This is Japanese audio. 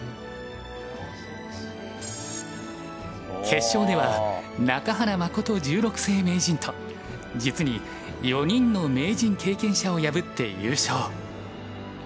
決勝では中原誠十六世名人と実に４人の名人経験者を破って優勝。